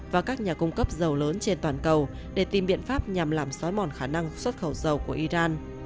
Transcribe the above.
và các nhà cung cấp dầu lớn trên toàn cầu để tìm biện pháp nhằm làm xói mòn khả năng xuất khẩu dầu của iran